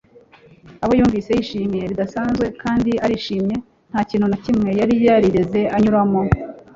obi yumvise yishimye bidasanzwe kandi arishimye. nta kintu na kimwe yari yarigeze anyuramo